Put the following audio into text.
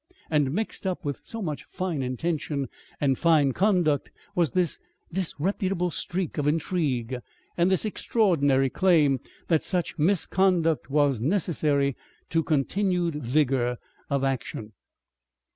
And mixed up with so much fine intention and fine conduct was this disreputable streak of intrigue and this extraordinary claim that such misconduct was necessary to continued vigour of action.